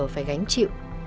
phải gánh chịu